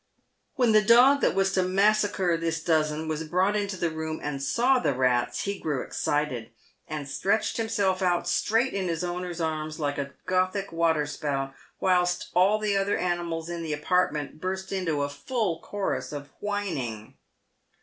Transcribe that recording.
156 PAVED WITH GOLD. "When the dog that was to massacre this dozen was brought into the room and saw the rats, he grew excited, and stretched himself out straight in his owner's arms like a Gothic water spout, whilst all the other animals in the apartment burst into a full chorus of whining.